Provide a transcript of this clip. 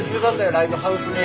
ライブハウスに。